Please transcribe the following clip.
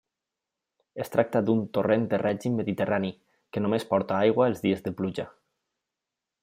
Es tracta d’un torrent de règim mediterrani, que només porta aigua els dies de pluja.